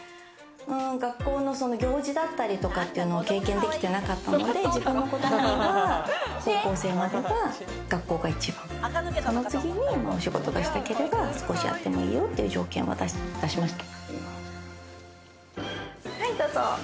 学校の行事だったりとかっていうのを経験できてなかったので、自分の子どもには高校生までは学校が一番、その次に、お仕事がしたければ少しやってもいいよという条件は出しました。